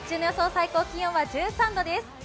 最高気温は１３度です。